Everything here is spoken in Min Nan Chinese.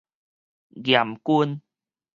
嚴君